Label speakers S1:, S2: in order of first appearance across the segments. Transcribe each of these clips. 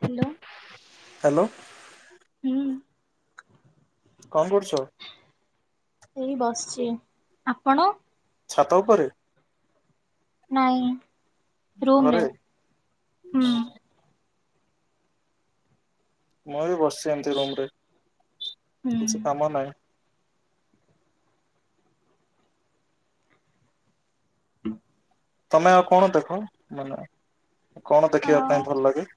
S1: Hello.
S2: Hello.
S1: ହୁଁ
S2: କଣ କରୁଚ?
S1: ଏଇ ବସିଚି ଆପଣ?
S2: ଛାତ ଉପରେ?
S1: ନାଇଁ ରୁମୁରେ
S2: ଘରେ
S1: ହୁଁ।
S2: ମୁଁବି ବସିଛି ଏମିତି ରୁମ୍ ରେ
S1: ହୁଁ।
S2: କିଛି କାମ ନାହିଁ।
S1: [inaudible]
S2: ତମେ ଆଉ କଣ ଦେଖ ମାନେ କଣ ଦେଖିବା ପାଇଁ ଭଲ ଲାଗେ?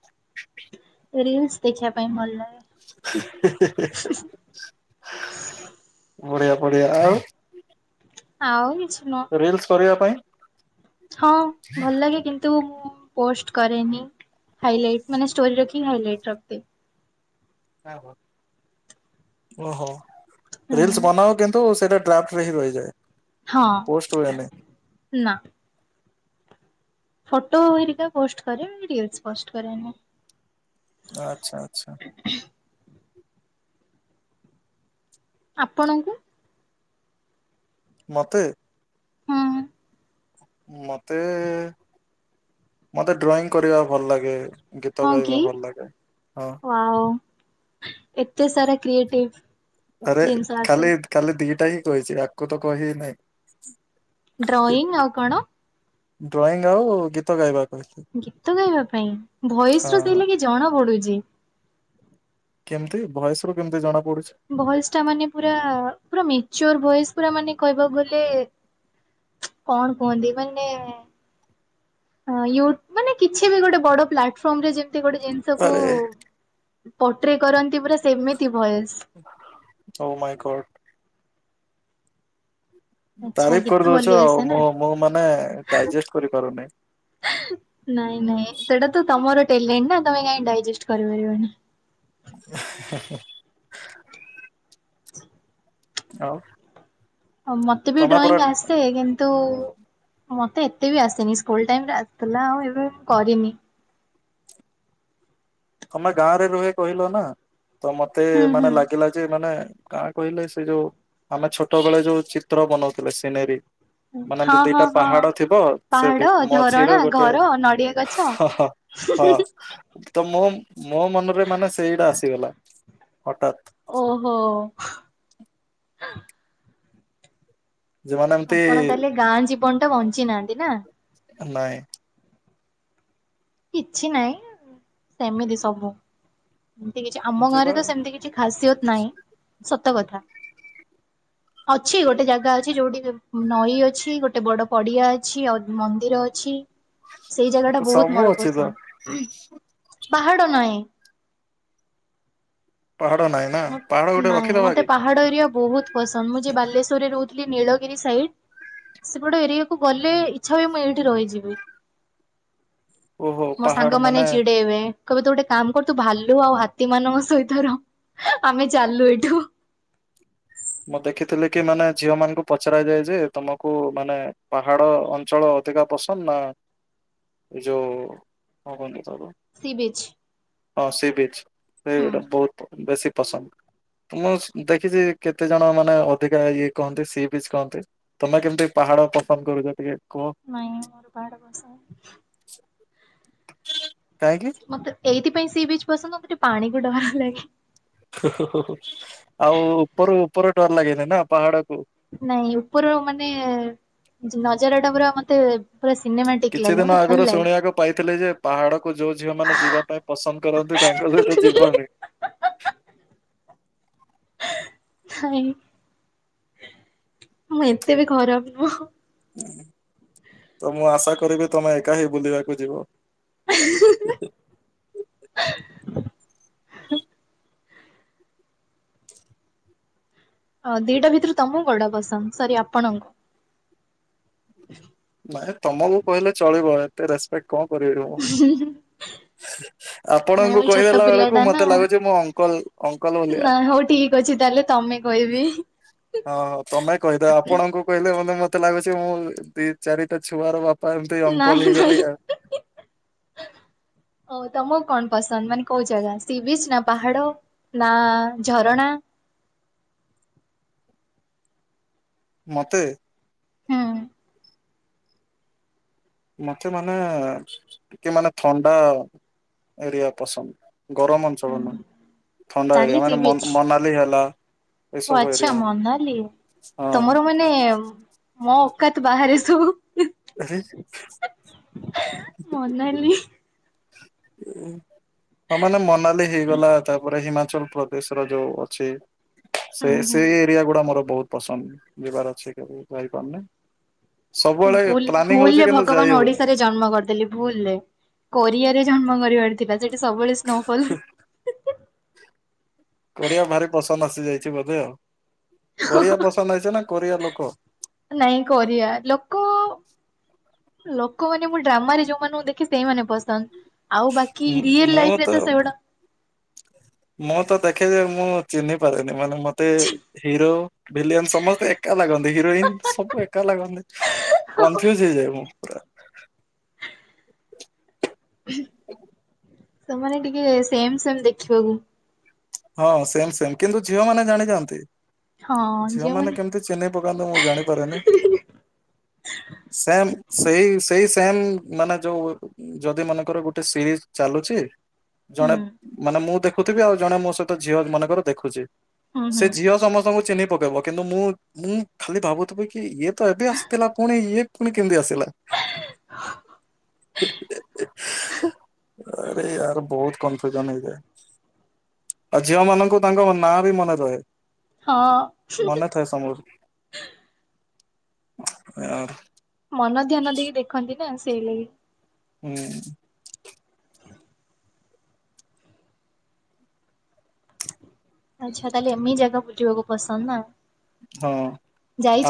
S1: ରିଲିସ୍ ଦେଖିବା ପାଇଁ ଭଲ ଲାଗେ।
S2: ବଢିଆ ବଢିଆ ଆଉ
S1: ଆଉ କିଛି ନୁହଁ।
S2: ରିଲ୍ସ୍ କରିବା ପାଇ?
S1: ହଁ ଭଲ ଲାଗେ କି ତୁ ପୋଷ୍ଟ କରେନି ହାଇଲାଇଟ୍ ମାନେ ଷ୍ଟୋରି ରଖିକି ହାଇଲାଇଟ୍ ରଖିଦିଏ।
S2: ଓହୋ
S1: ହୁଁ
S2: ରିଲ୍ସ ବନାଉ କିନ୍ତୁ ସେଇଟା [unintelligible] ରହିଯାଏ। ପୋଷ୍ଟ
S1: ହଁ
S2: ହୁଏନି।
S1: ନା। ଫଟୋହେରିକା ପୋଷ୍ଟ କରେ ରିଲ୍ସ୍ ପୋଷ୍ଟ କରେନି।
S2: ଆଚ୍ଛା ଆଚ୍ଛା।
S1: [inaudible] ଆପଣଙ୍କୁ?
S2: ମୋତେ।
S1: ହଁ
S2: ମତେ ମତେ ଡ୍ରଇଂ କରିବାକୁ ଭଲ ଲାଗେ। ଗୀତ
S1: କି
S2: ଗାଇବା ଭଲ ଲାଗେ ହଁ।
S1: ହଁ ଏତେ ସାରା କ୍ରିଏଟିଭ୍ ଜିନିଷ ଆସେ।
S2: କାଲି ଦିଟାହିଁ କହିଚି ଆକୁତ କହି ନାହିଁ।
S1: ଡ୍ରଇଂ ଆଉ କଣ?
S2: ଡ୍ରଇଂ ଆଉ ଗୀତ ଗାଇବା। କହିଲି
S1: ଗୀତ ଗାଇବା ପାଇଁ
S2: ହଁ
S1: ଭଏସରୁ
S2: ହଁ।
S1: ସେଇଲାଗି ଜଣା ପଡ଼ୁଚି।
S2: କେମତି ଭଏସରୁ କେମିତି ଜଣା ପଡୁଛି?
S1: ଭଏସଟା ମାନେ ପୁରା ପୁରା ମେଚର୍ ଭଏସ୍ ପୁରା ମାନେ କହିବାକୁ ଗଲେ କଣ କୁହନ୍ତି ମାନେ ହଁ ୟୁ ମାନେ କିଛିବି ଗୋଟେ ବଡ଼ ପ୍ଲାଟଫର୍ମରେ ଯେମତି ଗୋଟେ ଜିନି ଷକୁ
S2: ଆରେ
S1: ପୋଟ୍ରି କରନ୍ତି ପୁରା ସେମିତି ଭଏସ୍।
S2: ଓ ମାଇ ଗଡ୍।
S1: ଆଚ୍ଛା
S2: ତାରିଫ୍
S1: ଗୀତ
S2: କରିଦଉଛ
S1: ବୋଲି
S2: ଆଉ
S1: ଆସେ ନା।
S2: ମୁଁ ମୁଁ ମାନେ ଡାଇଜେଷ୍ଟ କରିପାରୁନି।
S1: ନାଇଁ ନାଇଁ ସେଟାତ ତମର ଟେଲେଣ୍ଟନା ତମେ କାହିଁକି ଡାଇଜେଷ୍ଟ କରିପାରିବନି।
S2: [unintelligible]
S1: [inaudible]
S2: ଆଉ।
S1: ହଁ ମୋତେବି
S2: ତମେ ପରା
S1: ଡ୍ରଇଂ ଆସେ ସେ କିନ୍ତୁ ମତେ ଏତେବି ଆସେନି ସ୍କୁଲ୍ ଟାଇମରେ ଆସୁଥିଲା ଆଉ ଏବେ ମୁ କରିନି।
S2: ତମେ ଗାଁରେ ରୁହେ କହିଲନା ତ ମତେ
S1: ହୁଁ
S2: ମାନେ
S1: ହୁଁ।
S2: ଲାଗିଲା ଯେ ମାନେ ଗାଁ କହିଲେ ସେ ଯୋଉ ଆମେ ଛୋଟ ବେଳେ ଯୋଉ ଚିତ୍ର ବନଉଥିଲେ ସିନେରୀ ମାନେ
S1: ହଁ
S2: ଏମିତି
S1: ହଁ
S2: ଦିଟା
S1: ହଁ
S2: ପାହାଡ଼ ଥିବ ସେ
S1: ପାହାଡ
S2: ଭି
S1: ଝରଣା
S2: ମଝିରୁ ଗୋଟେ
S1: ଘର ନଡିଆ ଗଛ।
S2: ହା ହା ହଁ ତ ମୋ ମୋ ମନରେ ମାନେ ସେଇଟା ଆସିଗଲା ହଠାତ୍।
S1: ଓହୋ।
S2: ଯେ ମାନେ ଏମତି
S1: ଆପଣ ତାହେଲେ ଗାଁ ଜୀବନଟା ବଞ୍ଚି ନାହାନ୍ତିନା?
S2: ନାଇଁ।
S1: କିଛି ନାହିଁ ସେମିତି ସବୁ। ଏମତି କିଛି ଆମ
S2: ଯିବା
S1: ଗାଁରେତ ସେମିତି କିଛି ଖାସିଅତ ନାହିଁ ସତ କଥା।
S2: [unintelligible]
S1: ଅଛି ଗୋଟେ ଜାଗା ଅଛି ଯୋଉଠି ନଈ ଅଛି ଗୋଟେ ବଡ଼ ପଡ଼ିଆ ଅଛି ଆଉ ମନ୍ଦିର ଅଛି। ସେଇ ଜାଗାଟା
S2: ତ
S1: ବହୁତ୍
S2: ସବୁ
S1: ମୋର
S2: ଅଛି ତ
S1: ପସନ୍ଦ ପାହାଡ଼ ନାହିଁ।
S2: ପାହାଡ଼ ନାଇଁ ନା ପାହାଡ଼ ଗୋଟେ ରଖିଦବାକି?
S1: ପାହାଡ଼ ଏରିଆ ବହୁତ୍ ପସନ୍ଦ ମୁଁ ଯେବେ ବାଲେଶ୍ୱରରେ ରହୁଥି ଥିଲି ନୀଳଗିରି ସାଇଟ୍ ସେପଟ ଏରିଆକୁ ଗଲେ ଇଚ୍ଛା ହୁଏ ମୁଁ ଏଇଠି ରହିଯିବି।
S2: [unintelligible] ଓହୋ
S1: ମୋ
S2: ପାହାଡ
S1: ସାଙ୍ଗମାନେ
S2: ମାନେ
S1: ଚିଡ଼େଇବେ କହିବେ ତୁଗୋଟେ କାମ୍ କରତୁ ଭାଲୁ ଆଉ ହାତୀ ମାନଙ୍କ ସହିତ ରହ ଆମେ ଚାଲୁ ଏଇଠୁ
S2: ମୁଁ ଦେଖିଥିଲିକି ମାନେ ଝିଅ ମାନଙ୍କୁ ପଚରା ଯାଏଯେ ତମକୁ ମାନେ ପାହାଡ଼ ଅଞ୍ଚଳ ପ୍ରତିକା ପସନ୍ଦନା ଏଯୋଉ କଣ କୁହନ୍ତି ତାକୁ
S1: ସି ବିଚ୍
S2: ହଁ ସିବିଚ୍
S1: ହୁଁ
S2: ସେଟା ବହୁତ୍ ବେଶୀ ପସନ୍ଦ ମୁଁ ଦେଖିଚି କେତେ ଜଣ ମାନେ ଅଧିକା ଇଏ କହନ୍ତି ସିବିଜ୍ କହନ୍ତି। ତମେ କେମିତି ପାହାଡ଼ ପସନ୍ଦ କରୁଚ ଟିକେ କୁହ?
S1: ନାଇଁ ମୋର ପାହାଡ଼ ପସନ୍ଦ।
S2: କାହିଁକି?
S1: ମତେ ଏଇଥିପାଇଁ ସିବିଚ୍ ପସନ୍ଦ ମତେ ପାଣିକୁ ଡର ଲାଗେ।
S2: ଓ -ହୋ -ହୋ ଆଉ ଉପର -ଉପର ଡର ଲାଗେନିନା ପାହାଡ଼କୁ?
S1: ନାଇଁ ଉପରୁ ମାନେ ନଜରଟା ପୁରା ମତେ ପୁରା ସିନେମାଟି
S2: କିଛି ଦିନ ଆଗରୁ ଶୁଣିବାକୁ ପାଇଥିଲିଯେ ପାହାଡ଼କୁୁ ଯୋଉ ଝିଅ ମାନେ ଯିବା ପାଇଁ ପସନ୍ଦ କରନ୍ତି ତାଙ୍କ ସହିତ ଯିବନି।
S1: ହାଏ ମୁଁ ଏତେବି ଖରାପ୍ ନୁହଁ।
S2: ତ ମୁଁ ଆଶା କରିବି ତମେ ଏକାହିଁ ବୁଲିବାକୁ ଯିବ? [unintelligible]
S1: ହଁ ଦିଟା ଭିତରୁ ତମକୁ କଉଟା ପସନ୍ଦ ସରି ଆପଣଙ୍କୁ?
S2: ନାଇଁ ତମକୁ କହିଲେ ଚଳିବ ଏତେ ରେସପେକ୍ଟ୍ କଣ କରିବିରେ ମୁଁ।
S1: ନାଇଁ
S2: ଆପଣଙ୍କୁ
S1: ମୁଁ ଛୋଟ
S2: କହିଦେଲା
S1: ପିଲା
S2: ବଳକୁ
S1: ଟା
S2: ମତେ
S1: ନା।
S2: ଲାଗୁଚି ମୁଁ ଅଙ୍କଲ୍ -ଅଙ୍କଲ୍ ଭଳିଆ।
S1: ହଉଚି ତାହେଲେ ତମେ କହିବି।
S2: ହଁ ତମେ କହିଦେବା ଆପଣଙ୍କୁ କହିଲେ ମାନେ ମତେ ଲାଗୁଚି ମୁଁ ଦି ଚାରିଟା ଛୁଆର ବା
S1: ନାହିଁ -ନାହିଁ ହିଁ- ହିଁ- ହିଁ।
S2: [unintelligible]
S1: ଓ ତମକୁ କଣ ପସନ୍ଦ୍ ମାନେ କୋଉ ଜାଗା ସିବିଚ୍ ନା ପାହାଡ଼? ନା ଝରଣା?
S2: ମତେ
S1: ହୁଁ
S2: ମତେ ମାନେ ଟିକେ ମାନେ ଥଣ୍ଡା ଏରିଆ ପସନ୍ଦ୍। ଗରମ୍ ଅଞ୍ଚଳ ନୁହେଁ। ଥଣ୍ଡା
S1: ତାହେଲେ
S2: ଏରିଆ
S1: ସି
S2: ମାନେ ମନ୍-
S1: ବିଚ୍।
S2: ମନାଲି ହେଲା ଏ
S1: ଓ
S2: ସବୁ ଏରିଆ। ହଁ।
S1: ନାଇଁ ମୋ ଅକାତ୍ ବାହାରେ ଏସବୁ।
S2: ହେଇଚି।
S1: ହିଁ- ହିଁ -ହିଁ ମନାଲି।
S2: ହଁ ମାନେ ମନାଲି ହେଇଗଲା ତାପରେ ହିମାଚଳ ପ୍ର ଦେଶର ଯୋଉ ଅଛି
S1: ହୁଁ
S2: ସେ
S1: ହୁଁ।
S2: ସେଇ ପିଆ ଗୁଡା ମୋର ବହୁତ୍ ପସନ୍ଦ୍ ଯିବାର ଅଛି କେବେ ଯାଇପାରୁନି। ସବୁବେଳେ
S1: ଭୁଲ
S2: ପ୍ଲାନିଂ
S1: ଭୁଲରେ
S2: ହଉଚି କିନ୍ତୁ
S1: ଭଗବାନ
S2: ଯାଇ ହଉନି।
S1: ଓଡିଶାରେ ଜନ୍ମ କରିଦେଲି ଭୁଲ୍ ରେ କୋରିଆ ରେ ଜନ୍ମ କରିବାର ଥିଲା ସେଠି ସବୁବେଳେ ସ୍ନୋଫଲ୍।
S2: କୋରିଆ ଭାରି ପସନ୍ଦ୍ ଆସିଯାଇଚି ବୋଧେ ଆଉ କୋରିଆ ପସନ୍ଦ ହେଇଚି ନା କୋରିଆ ଲୋକ।
S1: ନାଇଁ କୋରିଆ ଲୋକ ଲୋକମାନେ ମୁଁ ଡ୍ରାମା ରେ ଯୋଉ ମାନଙ୍କୁ ଦେଖେ ସେଇମାନେ ପସନ୍ଦ୍। ଆଉ ବାକି ରିଏଲ ଲାଇଫ୍ ରେ ତ ସେଗୁଡା
S2: ମୁଁ ତ ଦେଖେ ଯେ ମୁଁ ଚିହ୍ନି ପାରେନି ମାନେ ମତେ ହିରୋ, ଭିଲିଆନ୍ ସମସ୍ତେ ଏକା ଲାଗନ୍ତି ହିରୋଇନ୍ ସବୁ ଏକା ଲାଗନ୍ତି। କନଫ୍ୟୁଜ୍ ହେଇଯାଏ ମୁଁ ପୁରା।
S1: ସେମାନେ ଟିକେ ସେମ ସେମ ଦେଖିବାକୁ।
S2: ହଁ ସେମ ସେମ କିନ୍ତୁ ଝିଅ ମାନେ ଜାଣିଜାନ୍ତି
S1: ହଁ
S2: ଝିଅ
S1: ଯେଉଁମାନେ
S2: ମାନେ କେମିତି ଚିହ୍ନି ପକାନ୍ତି ମୁଁ ଜାଣିପାରେନି। ସେମ୍ ସେଇ -ସେଇ ସେମ୍ ମାନେ ଯୋଉ ଯଦି ମନେକର ଗୋଟେ ସିରିଜ୍ ଚାଲୁଚି
S1: ହୁଁ
S2: ଜଣେ ମାନେ ମୁଁ ଦେଖୁଥିବି ଆଉ ଜଣେ ମୋ ସହିତ ଝିଅ ମନେକର ଦେଖୁଚି
S1: ହୁଁ
S2: ସେ
S1: ହୁଁ
S2: ଝିଅ ସମସ୍ତଙ୍କୁ ଚିହ୍ନି ପକେଇବ। କିନ୍ତୁ ମୁଁ -ମୁଁ ଖାଲି ଭାବୁଥିବି କି ଇଏ ତ ଏବେ ଆସିଥିଲା ପୁଣି ଇଏ ପୁଣି କେମିତି ଆସିଲା। [unintelligible] ଆରେ ୟାର ବହୁତ କନଫ୍ୟୁଜନ ହେଇଯାଏ। ଆଉ ଝିଅ ମାନଙ୍କୁ ତାଙ୍କ ନାଁ ବି ମନେ ରହେ
S1: ହଁ।
S2: ମନେ ଥାଏ ସମର। ୟାର୍।
S1: ମନ ଧ୍ୟାନ ଦେଇକି ଦେଖନ୍ତି ନା ସେଇ ଲାଗି।
S2: ହୁଁ।
S1: ଆଚ୍ଛା ତାହେଲେ ଏମି ଜାଗା ବୁଲିବାକୁ ପସନ୍ଦ ନା।
S2: ହଁ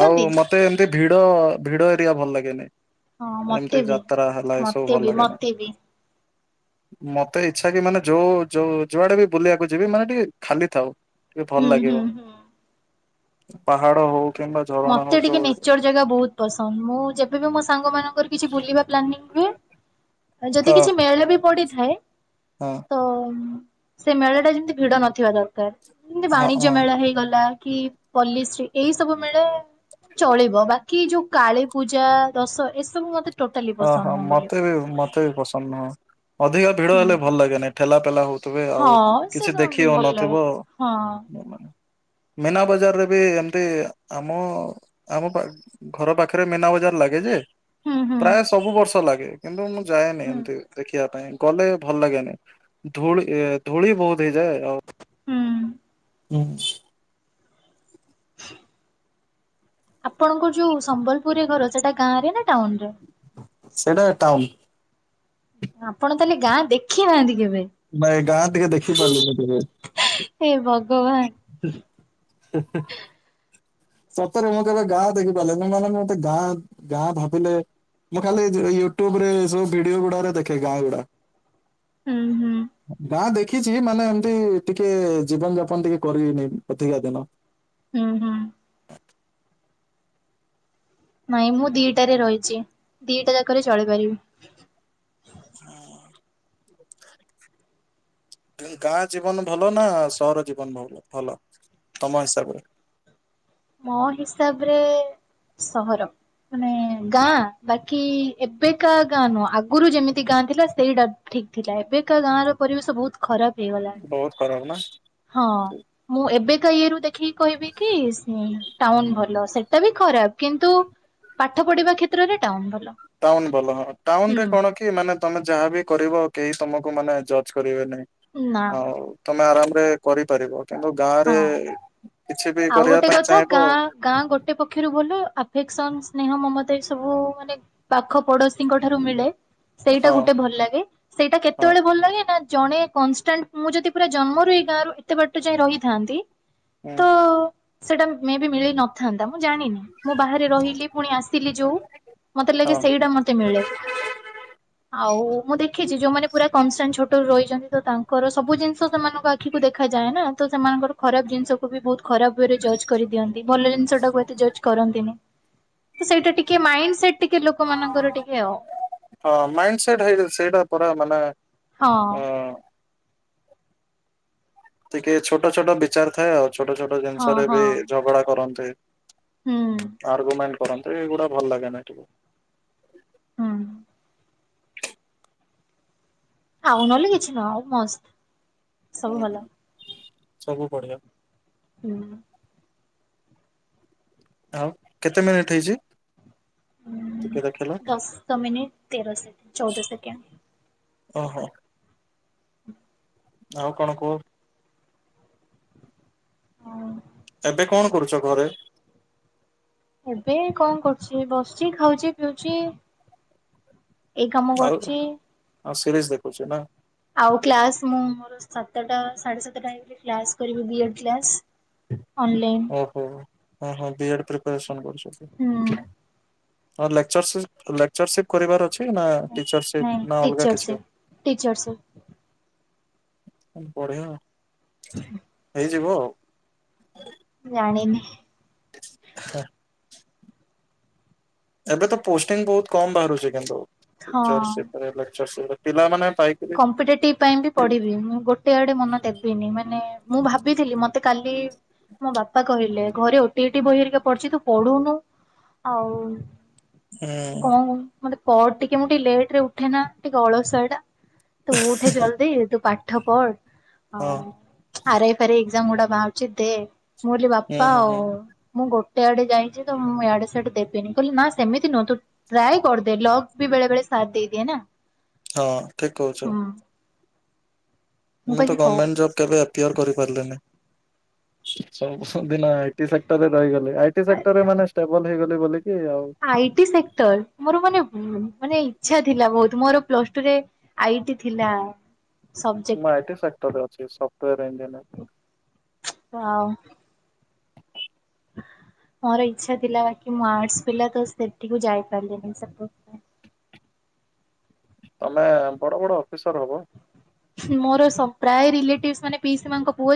S2: ଆଉ ମତେ ଏମତି ଭିଡ ଭିଡ ଏରିଆ ଭଲ ଲାଗେନି।
S1: ହଁ ମତେ
S2: ଏମିତି
S1: ବି।
S2: ଯାତ୍ରା ହେଲା ଏସବୁ
S1: ମତେ
S2: ଭଲ
S1: ବି
S2: ଲାଗେନି।
S1: ମତେ ବି
S2: ମତେ ଇଚ୍ଛା କି ମାନେ ଯୋଉ ଯୋଉ ଯୁଆଡେ ବି ବୁଲିବାକୁ ଯିବି ମାନେ ଟିକେ ଖାଲି ଥାଉ। ଟିକେ ଭଲ
S1: ହୁଁ ହୁଁ
S2: ଲାଗିବ।
S1: ହୁଁ।
S2: ପାହାଡ଼ ହଉ କିମ୍ବା ଝରଣା
S1: ମତେ
S2: ହଉ
S1: ଟିକେ
S2: ଯୋଉ
S1: ନେଚର ଜାଗା ବହୁତ ପସନ୍ଦ ମୁଁ ଯେବେ ବି ମୋ ସାଙ୍ଗ ମାନଙ୍କର କିଛି ବୁଲିବା ପ୍ଲାନିଂ ହୁଏ ଯଦି
S2: ହଁ
S1: କିଛି ମେଳା ବି ପଡିଥାଏ
S2: ହଁ।
S1: ତ ସେ ମେଳା ଟା ଯେମିତି ଭିଡ ନଥିବା ଦରକାର। ଯେମିତି
S2: ହଁ
S1: ବାଣିଜ୍ୟ
S2: ହଁ।
S1: ମେଳା ହେଇଗଲା କି ପଲିଶ୍ରୀ ଏଇ ସବୁ ମେଳା ଚଳିବ ବା କି ଯୋଉ କାଳୀ ପୂଜା ଦଶ ଏସବୁ ମତେ ଟୋଟାଲି ପସନ୍ଦ
S2: ଅହ
S1: ନୁହଁ ବୁଲିବା।
S2: ମତେ ବି ମ ତେ ପସନ୍ଦ ନୁହଁ ଅଧିକ ଭିଡ
S1: ହୁଁ
S2: ହେଲେ ଭଲ ଲାଗେନାଇଁ ଠେଲା ପେଲା ହଉଥିବେ ଆଉ
S1: ହଁ ସେ
S2: କିଛି ଦେଖି
S1: ଭଲ ଲାଗେ
S2: ହଉନଥିବ।
S1: ହଁ
S2: ମିନା ବଜାରରେ ବି ଏମିତି ଆମ ଆମ ପା ଘର ପାଖରେ ମେନା ବଜାର ଲାଗେ ଯେ
S1: ହୁଁ ହୁଁ।
S2: ପ୍ରାୟ ସବୁ ବର୍ଷ ଲାଗେ କିନ୍ତୁ ମୁଁ ଯାଏନି
S1: ହୁଁ
S2: ଏମିତି ଦେଖିବା ପାଇଁ। କଲେ ଭଲ ଲାଗେନି ଧୂଳି ଇ ଧୂଳି ବହୁତ ହେଇଯାଏ ଆଉ
S1: ହୁଁ।
S2: ହୁଁ।
S1: ଆପଣଙ୍କ ଯୋଉ ସମ୍ବଲପୁରରେ ଘର ସେଟା ଗାଁ ରେ ନା ଟାଉନ ରେ।
S2: ସେଟା ଟାଉନ।
S1: ଆପଣ ତାଲେ ଗାଁ ଦେଖି ନାହାନ୍ତି କେବେ।
S2: ନାଇଁ ଗାଁ ଟିକେ ଦେଖି ପାରିଲିନି କେବେ।
S1: ହେ ଭଗବାନ।
S2: ହେଁ ହେଁ। ସତରେ ମୁଁ କେବେ ଗାଁ ଦେଖିପାରିଲେ ନି ମାନେ ମତେ ଗାଁ ଗାଁ ଭାବିଲେ ମୁଁ ଖାଲି ଯଉ ୟୁଟ୍ୟୁବରେ ଏସବୁ ଭିଡିଓ ଗୁଡାକ ଦେଖେ ଗାଁ ଗୁଡା।
S1: ହୁଁ ହୁଁ
S2: ଗାଁ ଦେ ଖିଛି ମାନେ ଏମତି ଟିକେ ଜୀବନ ଯାପନ ଟିକେ କରିବିନି ଅଧିକା ଦିନ।
S1: ହୁଁ ହୁଁ। ନାଇଁ ମୁଁ ଦିଟାରେ ରହିଛି ଦିଟା ଯାକରେ ଚଳିପାରିବି‌।
S2: [unintelligible] ଗାଁ ଜୀବନ ଭଲ ନା ସହର ଜୀବନ ଭଲ ଭଲ ତମ ହିସାବରେ।
S1: ମୋ ହିସାବରେ ସହର‌। ମାନେ ଗାଁ ବାକି ଏବେକା ଗାଁ ନୁହଁ ଆଗରୁ ଯେମିତି ଗାଁ ଥିଲା ସେଇଟା ଠିକ୍ ଥିଲା ଏବେକା ଗାଁ ର ପରିବେଶ ବହୁତ ଖରାପ ହେଇଗଲାଣି‌।
S2: ବହୁତ ଖରାପ ନା
S1: ହଁ ମୁଁ ଏବେକା ୟୁରୁ ଦେଖିକି କହିବି କି ହୁଁ ଟାଉନ ଭଲ ସେଟା ବି ଖରାପ କିନ୍ତୁ ପାଠ ପଢିବା କ୍ଷେତ୍ରରେ ଟାଉନ ଭଲ।
S2: ଟାଉନ ଭଲ ହଁ ଟାଉନ
S1: ହୁଁ
S2: ରେ କଣ କି ମାନେ ତମେ ଯାହା ବି କରିବ କେହି ତମକୁ ମାନେ ଜଜ୍ କରିବେନି
S1: ନା
S2: ଆଉ ତମେ ଆରାମରେ କରିପାରିବ କିନ୍ତୁ ଗାଁ ରେ
S1: ହଁ।
S2: କିଛି ବି
S1: ଆଉ
S2: କରିବା
S1: ଗୋଟେ
S2: ପାଇଁ
S1: କଥା
S2: ଚାହିଁବ
S1: ଗାଁ ଗାଁ ଗୋଟେ ପକ୍ଷରୁ ଭଲ ଆଫେକ୍ସନ ସ୍ନେହ ମମତା ଏ ସବୁ ମାନେ ପାଖ ପଡୋଶୀଙ୍କ ଠାରୁ ମିଳେ ସେଇଟା
S2: ହଁ
S1: ଗୋଟେ ଭଲ ଲାଗେ। ସେଇଟା
S2: ହଁ
S1: କେତେବେଳେ ଭଲ ଲାଗେ, ନା ଜଣେ କନଷ୍ଟାଣ୍ଟ ମୁଁ ଯଦି ପୁରା ଜନ୍ମରୁ ଏଇ ଗାଁରୁ ଏତେ ବାଟ ଯାଏ ରହିି ଥାନ୍ତି।
S2: ହୁଁ।
S1: ତ ସେଟା ମେ ବି ମିଳେଇ ନଥାନ୍ତା, ମୁଁ ଜାଣିନି ମୁଁ ବାହାରେ ରହିଲି, ପୁଣି ଆସିଲି ଯୋଉ ମତେ ଲାଗେ,
S2: ହଁ।
S1: ସେଇଟା ମତେ ମିଳେ। ଆଉ, ମୁଁ ଦେଖିଛି ଯୋଉମାନେ ପୁରା କନଷ୍ଟାଣ୍ଟ ଛୋଟରୁ ରହିଛନ୍ତି, ତ ତାଙ୍କର ସବୁ ଜିନିଷ ସେମାନଙ୍କୁ ଆ ଆଖିକୁ ଦେଖାଯାଏ ନା। ତ ସେମାନଙ୍କର ଖରାପ ଜିନିଷକୁ ବି ବହୁତ ଖରାପ ଓେୟ ରେ ଜଜ୍ କରିଦିଅନ୍ତି, ଭଲ ଜିନିଷ ଟାକୁ ଏତେ ଜଜ୍ କରନ୍ତି ନି। ତ, ସେଇଟା ଟିକେ ମାଇଣ୍ଡ ସେଟ୍, ଟିକେ ଲୋକମାନଙ୍କର ଟିକେ ଆଉ।
S2: ହଁ, ମାଇଣ୍ଡ ସେଟ ହେଇ, ସେଇଟା ପରା ମାନେ
S1: ହଁ।
S2: ଅ ଟିକେ ଛୋଟ ଛୋଟ ବିଚାର ଥାଏ ଆଉ, ଛୋଟ ଛୋଟ
S1: ହଁ
S2: ଜିନିଷରେ
S1: ହଁ
S2: ବି ଝଗଡା କରନ୍ତି।
S1: ହୁଁ
S2: ଆରର୍ଗୁମେଣ୍ଟ କରନ୍ତି ଏଇଗୁଡା ଭଲ ଲାଗେ ନା ଟିକେ।
S1: ହୁଁ। ଆଉ ନହେଲେ କିଛି ନୁହଁ ଆଉ ମସ୍ତ
S2: ହୁଁ
S1: ସବୁ
S2: ହୁଁ
S1: ଭଲ।
S2: ସବୁ ବଢିଆ।
S1: ହୁଁ।
S2: ଆଉ କେତେ ମିନିଟ ହେଇଛି। ଟିକେ ଦେଖିଲ
S1: ଦଶ ମିନିଟ ତେର ସେକଣ୍ଡ, ଚଉଦ ସେକେଣ୍ଡ।
S2: ଓହୋ। ଆଉ କଣ କୁହ।
S1: ହଁ।
S2: ଏବେ କଣ କରୁଛ ଘରେ?
S1: ଏବେ କଣ କରୁଛି, ବସିଛି, ଖାଉଛି, ପିଉଛି। ଏଇ କାମ କରୁଛି।
S2: ହଁ, ସିରିଏସ ଦେଖୁଛ ନା।
S1: ଆଉ କ୍ଲାସ ମୁଁ ମୋର ସାତଟା, ସାଢେ ସାତଟା ଟାଇମ୍ ରେ କ୍ଲାସ କରିବି ବିଏଡ କ୍ଲାସ ଅନଲାଇନ୍।
S2: ଓହୋ, ହ, ହଁ ବି ଏଡ ପ୍ରିପାରେସନ୍ କରୁଛ
S1: ହୁଁ
S2: ହଁ ଲେକଚର ସିପ ଲେକଚର୍ ସିପ କରିବାର ଅଛି ନା ଟିଚର
S1: ନାଇଁ
S2: ସିପ ନା ଅଲଗା କିଛି।
S1: ଟିଚରସିପ୍ ଟିଚରସିପ୍
S2: ବଢିଆ ହେଇଯିବ ଆଉ।
S1: ଜାଣିନି।
S2: ହେଁ ଏବେ ତ ପୋଷ୍ଟିଙ୍ଗ ବହୁତ କମ ବାହାରୁଛି, କିନ୍ତୁ ପିଲାମାନେ
S1: ହଁ।
S2: ଟିଚର ସିପ ରେ ଲେକ୍ଚର୍ ସିପ ରେ ପିଲାମାନେ ପାଇକ
S1: କମ୍ପିଟେଟିଭ ପାଇଁ ବି ପଢିବି, ମୁଁ ଗୋଟେ ଆଡେ ମନ ଦେବିନି ମାନେ ମୁଁ ଭାବିଥିଲି ମତେ କାଲି ମୋ ବାପା କହିଲେ ଘରେ ଓଟିଇଟି ବହି ହେରିକା ପଡିଛି ତୁ ପଢୁନୁ। ଆଉ।
S2: ହୁଁ
S1: କଣ, ମୋତେ କ ଟିକେ, ମୁଁ ଟିକେ ଲେଟ ରେ ଉଠେନା ଟିକେ ଅଳସୁଆ ଟା। ତୁ ଉଠେ ଜଲଦି, ତୁ ପାଠ ପଢ ଆଉ।
S2: ହଁ।
S1: ଆର ଆଇ, ଫା ରାଇ ଏକଯାମ ଗୁଡା ବାହାରୁଛି ଦେ, ମୁଁ କହିଲି
S2: ହୁଁ
S1: ବାପା
S2: ହୁଁ ହୁଁ
S1: ମୁଁ ଗୋଟେ ଆଡେ ଯାଇଛି ତ, ମୁଁ ଆଡେ ସେଆଡେ ଦେବିନି, କହିଲି ନା ସେମିତି ନୁହଁ ତୁ ଟ୍ରାଏ କରିଦେ। ଲକ୍ ବି ବେଳେ ବେଳେ ସାଥ ଦେଇଦିଏ ନା।
S2: ହଁ, ଠିକ କହୁଛ।
S1: ହୁଁ
S2: ମୁଁ ତ
S1: କହିଲି ହଉ
S2: ଗଭରନମେଣ୍ଟ ଜବ୍ କେବେ - କ୍ଲିଅର କରିପାରିଲିନି ନାହିଁ, ସବୁ ଦିନ ଆଇ ଟି ସେକ୍ଟରରେ ରହିଗଲି। ଆଇଟି ସେକ୍ଟରରେ ମାନେ ଷ୍ଟେବଲ୍ ହେଇଗଲି ବୋଲିକି ଆଉ
S1: ଆଇଟି ସେକ୍ଟର, ମୋର ମାନେ, ମାନେ ଇଚ୍ଛା ଥିଲା ବହୁତ। ମୋର ପ୍ଲସ ଟୁ ରେ ଆଇଟି ଥିଲା।
S2: ମୁଁ
S1: ସବଜେକ୍ଟ
S2: ଆଇଟି ସେକ୍ଟରରେ ଅଛି ସଫ୍ଟୱୟାର ଇଞ୍ଜିନିୟର
S1: ୱା ମୋର ଇଛା ଥିଲା ବାକି ମୁଁ ଆର୍ଟସ ପିଲା ତ ସେଠିକୁ ଯାଇ ପାରିଲିନି ସବୁ।
S2: ତମେ ବଡ ବଡ ଅଫିସର ହବ।
S1: ମୋର ସ ପ୍ରାୟ ରିଲେଟିଭ ମାନେ ପିଇସି ମାଙ୍କ ପୁଅ।